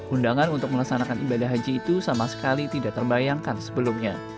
undangan untuk melaksanakan ibadah haji itu sama sekali tidak terbayangkan sebelumnya